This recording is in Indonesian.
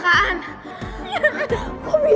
ada cara lain